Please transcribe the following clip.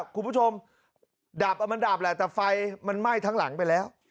คุณผู้ชมดับมันดับแหละแต่ไฟมันไหม้ทั้งหลังไปแล้ว